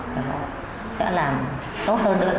và họ sẽ làm tốt hơn được